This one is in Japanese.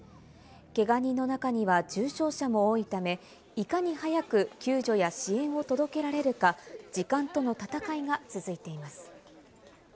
怪我人の中には重傷者も多いため、いかに早く救助や支援を届けられるか、時間との戦いが続いています。